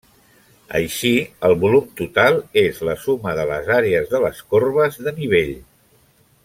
Així el volum total és la suma de les àrees de les corbes de nivell.